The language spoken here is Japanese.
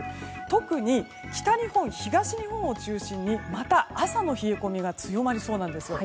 特に北日本、東日本を中心にまた朝の冷え込みが強まりそうなんですよ。